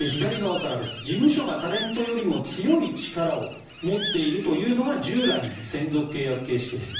事務所がタレントよりも強い力を持っているというのが従来の専属契約形式です。